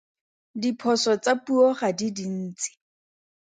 Diphoso tsa puo ga di dintsi.